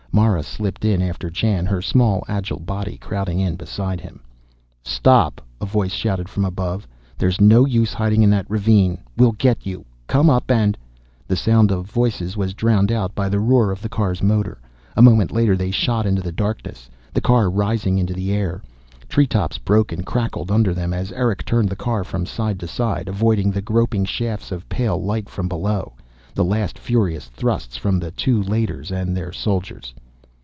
Mara slipped in after Jan, her small agile body crowding in beside him. "Stop!" a voice shouted from above. "There's no use hiding in that ravine. We'll get you! Come up and " The sound of voices was drowned out by the roar of the car's motor. A moment later they shot into the darkness, the car rising into the air. Treetops broke and cracked under them as Erick turned the car from side to side, avoiding the groping shafts of pale light from below, the last furious thrusts from the two Leiters and their soldiers.